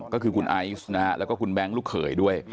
ก็คือคุณไอซ์นะฮะแล้วก็คุณแบงค์ลูกเขยด้วย